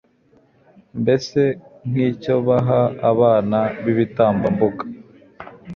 mbese nk'icyo baha abana b'ibitambambuga